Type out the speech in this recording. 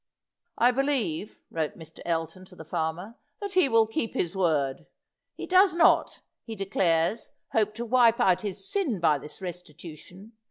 "I believe," wrote Mr. Elton to the farmer, "that he will keep his word. He does not, he declares, hope to wipe out his sin by this restitution.